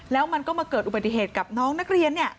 แล้วมันก็มาเกิดอุบัติเหตุกับน้องนักเรียนเนี่ย